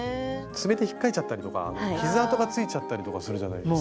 爪でひっかいちゃったりとか傷痕がついちゃったりとかするじゃないですか。